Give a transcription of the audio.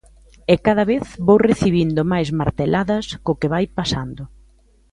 E cada vez vou recibindo máis marteladas co que vai pasando.